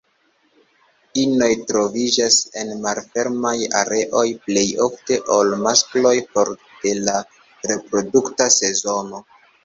Inoj troviĝas en malfermaj areoj plej ofte ol maskloj for de la reprodukta sezono.